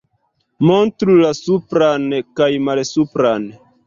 Montru la supran kaj malsupran